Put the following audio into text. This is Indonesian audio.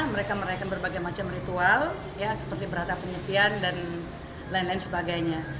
mereka merayakan berbagai macam ritual seperti beratap penyepian dan lain lain sebagainya